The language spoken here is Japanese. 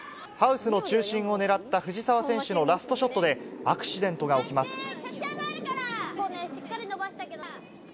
ハウスの中心を狙った藤澤選手のラストショットで、アクシデントが起きます。